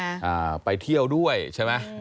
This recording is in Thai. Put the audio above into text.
อ่าไปเที่ยวด้วยใช่ไหม